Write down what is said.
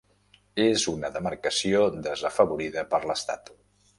És una demarcació desafavorida per l'Estat.